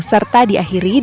serta diakhiri dengan